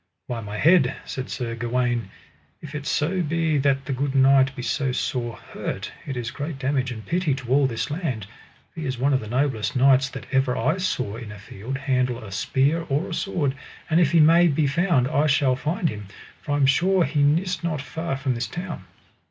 By my head, said Sir Gawaine, if it so be that the good knight be so sore hurt, it is great damage and pity to all this land, for he is one of the noblest knights that ever I saw in a field handle a spear or a sword; and if he may be found I shall find him, for I am sure he nis not far from this town.